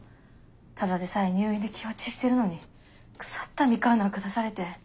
ただでさえ入院で気落ちしてるのに腐ったみかんなんか出されて。